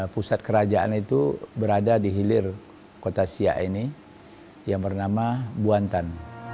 pusat kerajaan itu berada di hilir kota siak ini yang bernama buantan